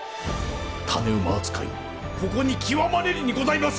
種馬扱いもここに極まれりにございます！